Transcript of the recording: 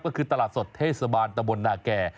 ก็คือตลาดสดเทศบาลตะบนนาแก่